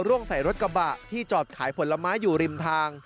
ใส่รถกระบะที่จอดขายผลไม้อยู่ริมทาง